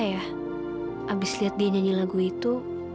setelah melihat dia menyanyikan lagu itu